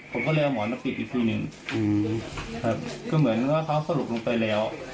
ผมก็เลยเอาหมอนมาปิดอีกทีหนึ่งอืมครับก็เหมือนว่าเขาสรุปลงไปแล้ว